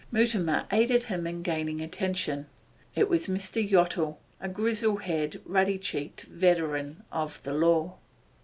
Mutimer aided him in gaining attention. It was Mr. Yottle, a grizzle headed, ruddy cheeked veteran of the law.